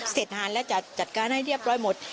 ทหารแล้วจะจัดการให้เรียบร้อยหมด